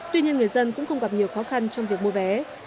tuy nhiên người dân cũng không gặp nhiều khó khăn trong việc mua vé